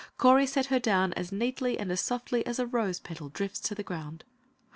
Correy set her down as neatly and as softly as a rose petal drifts to the ground.